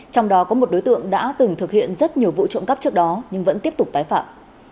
trong đó có một đối tượng đã từng thực hiện rất nhiều vụ trộm cắp trước đó nhưng vẫn tiếp tục tái phạm